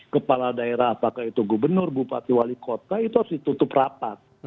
kepala daerah apakah itu gubernur bupati wali kota itu harus ditutup rapat